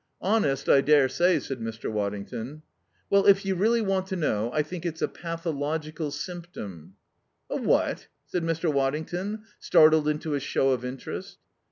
"Honest, I daresay," said Mr. Waddington. "Well, if you really want to know, I think it's a pathological symptom." "A what?" said Mr. Waddington, startled into a show of interest.